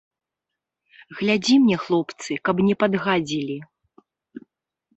Глядзі мне, хлопцы, каб не падгадзілі.